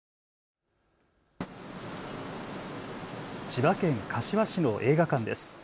千葉県柏市の映画館です。